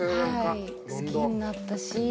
はい好きになったし。